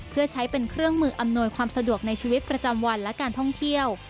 เพื่อใช้เป็นเครื่องมืออำนวยความสะดวกในชีวิตประจำวันและการท่องเที่ยว